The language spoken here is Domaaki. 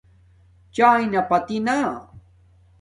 ثایݵے نا پتی نا